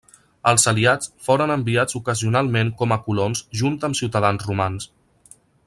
Els aliats foren enviats ocasionalment com a colons junt amb ciutadans romans.